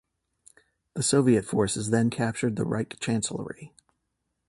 The Soviet forces then captured the Reich Chancellery.